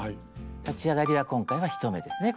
立ち上がりは今回は１目ですね